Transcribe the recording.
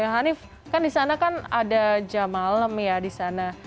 hanif kan di sana kan ada jam malam ya di sana